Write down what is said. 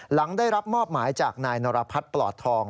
หลังได้รับมอบหมายจากนายนรพัฒน์ปลอดทอง